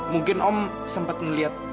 mungkin om sempat melihat